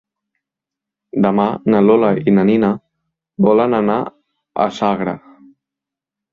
Demà na Lola i na Nina volen anar a Sagra.